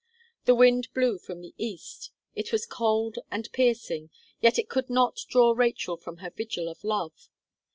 The wind blew from the east. It was cold and piercing; yet it could not draw Rachel from her vigil of love.